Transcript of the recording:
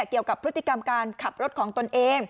เกี่ยวกับพฤติกรรมการขับรถของตนเอง